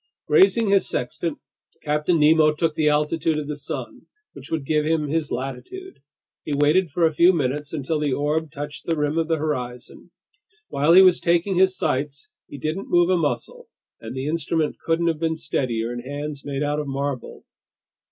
Raising his sextant, Captain Nemo took the altitude of the sun, which would give him his latitude. He waited for a few minutes until the orb touched the rim of the horizon. While he was taking his sights, he didn't move a muscle, and the instrument couldn't have been steadier in hands made out of marble.